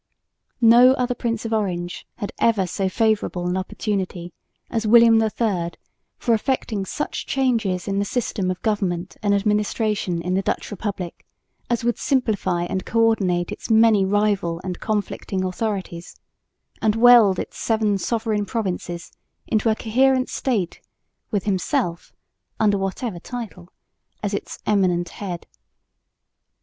No other Prince of Orange had ever so favourable an opportunity as William III for effecting such changes in the system of government and administration in the Dutch Republic as would simplify and co ordinate its many rival and conflicting authorities, and weld its seven sovereign provinces into a coherent State with himself (under whatever title) as its "eminent head."